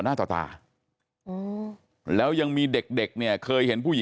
ใช่ต่อตัวไปต่อหน้าต่อตา